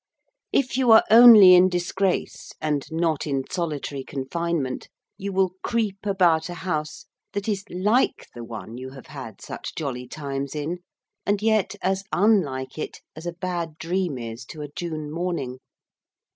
If you are only in disgrace, and not in solitary confinement, you will creep about a house that is like the one you have had such jolly times in, and yet as unlike it as a bad dream is to a June morning.